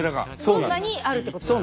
群馬にあるってことですか？